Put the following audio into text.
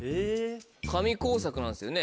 紙工作なんですよね？